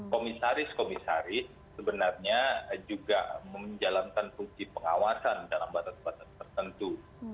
komisaris komisaris sebenarnya juga menjalankan fungsi pengawasan dalam batas batas tertentu